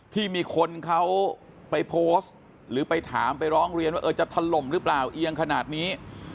ที่มีคนเขาไปโพสต์หรือไปถามไปร้องเรียนว่าเออจะถล่มหรือเปล่าเอียงขนาดนี้